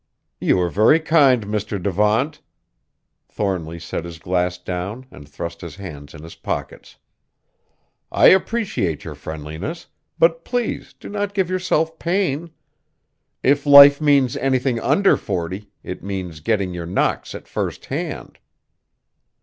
"You are very kind, Mr. Devant." Thornly set his glass down and thrust his hands in his pockets. "I appreciate your friendliness, but please do not give yourself pain. If life means anything under forty, it means getting your knocks at first hand."